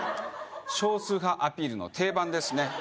少数派アピールの定番ですね